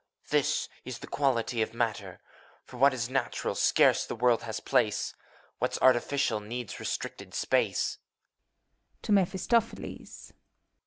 This is the quality of matter : For what is natural, scarce the world has place; What's artificial, needs restricted space.